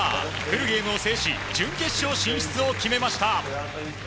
フルゲームを制し準決勝進出を決めました。